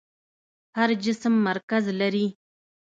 هر جسم مرکز لري.